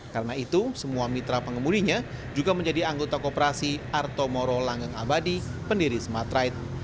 karena itu semua mitra pengemuninya juga menjadi anggota koperasi artomoro langeng abadi pendiri smartride